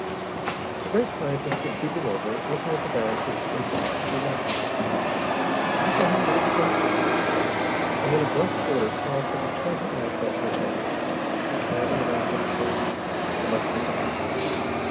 The great scientist was stooping over, looking at the balances of the indicators through microscopes. She saw him reach for his switches, and then a brusk order caused her to turn her eyes back to the animals, the cat in the right hand cage, the monkey at the left.